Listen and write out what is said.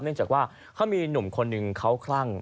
เนื่องจากว่าเขามีหนุ่มคนหนึ่งเขาคลั่ง